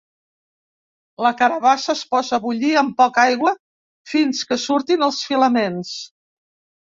La carabassa es posa a bullir amb poca aigua fins que surtin els filaments.